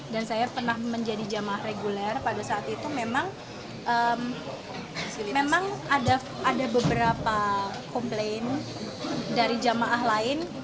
dan saya pernah menjadi jamaah reguler pada saat itu memang ada beberapa komplain dari jamaah lain